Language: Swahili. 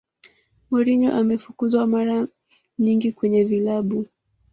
mourinho amefukuzwa mara nyingi kwenye vilabu